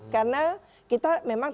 karena kita memang